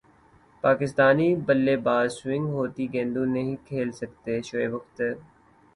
پاکستانی بلے باز سوئنگ ہوتی گیندیں نہیں کھیل سکتے شعیب اختر